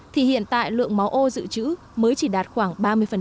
thì hiện tại lượng máu ô dự trữ mới chỉ đạt khoảng ba mươi